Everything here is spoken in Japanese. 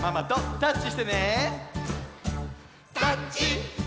「タッチ！」